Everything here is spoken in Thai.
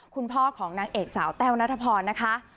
คุณพ่อของนางเอกสาวแต้วนัทพรนะคะ